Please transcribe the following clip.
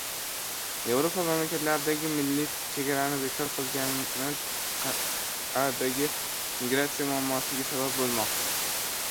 “Yevropa mamlakatlaridagi milliy chegarani bekor qilgani qit’adagi migratsiya muammosiga sabab bo‘lmoqda”